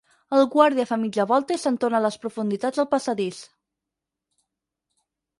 El guàrdia fa mitja volta i se'n torna a les profunditats del passadís.